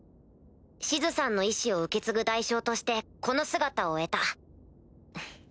シズさんの遺志を受け継ぐ代償としてこの姿を得た。